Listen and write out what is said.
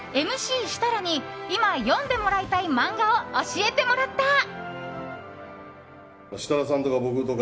ＭＣ設楽に今、読んでもらいたい漫画を教えてもらった。